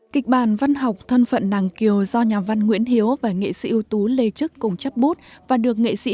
kịch bản văn học thân phận nàng kiều do nhà văn nguyễn hiếu và nghệ sĩ ưu tú lê trức cùng chấp bút và được nghệ sĩ